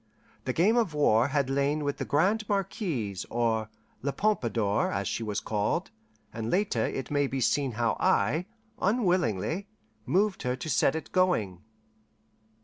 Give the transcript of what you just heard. The game of war had lain with the Grande Marquise or La Pompadour, as she was called and later it may be seen how I, unwillingly, moved her to set it going.